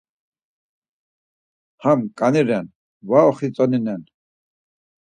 Ham ǩani ren var oxitzoninen.